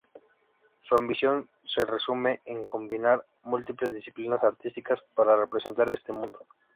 Su ambición se resume en combinar múltiples disciplinas artísticas para representar este mundo.